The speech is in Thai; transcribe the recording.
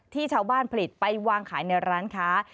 ที่ชาวบ้านผลิตไปวางขายในร้านค้า